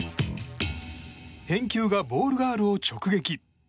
返球がボールガールを直撃。